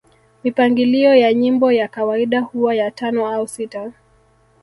Mipangilio ya nyimbo ya kawaida huwa ya tano au sita